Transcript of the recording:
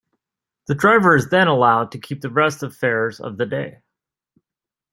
The driver is then allowed to keep the rest of fares of the day.